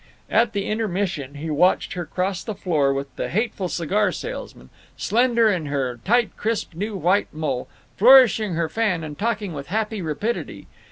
At the intermission he watched her cross the floor with the hateful cigar salesman, slender in her tight crisp new white mull, flourishing her fan and talking with happy rapidity.